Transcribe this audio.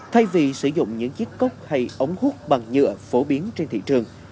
thay vì sử dụng những chiếc cốc hay ống hút bằng nhựa phổ biến trên thị trường